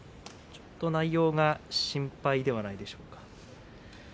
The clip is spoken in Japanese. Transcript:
ちょっと内容が心配ではないでしょうか。